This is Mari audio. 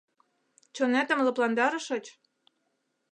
Чонетым лыпландарышыч?